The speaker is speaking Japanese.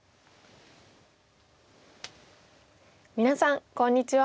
皆さんこんにちは。